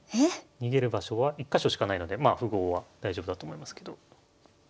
逃げる場所は１か所しかないのでまあ符号は大丈夫だと思いますけど。